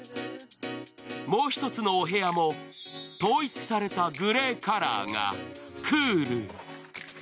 もう一つのお部屋も統一されたグレーカラーがクール。